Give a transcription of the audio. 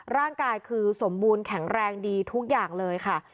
ร่างกายคือสมบูรณ์แข็งแรงดีทุกอย่างเลยค่ะ